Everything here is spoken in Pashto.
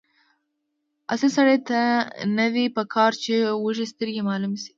اصیل سړي ته نه دي پکار چې وږسترګی معلوم شي.